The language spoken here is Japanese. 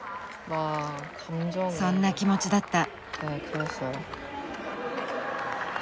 そんな気持ちだった。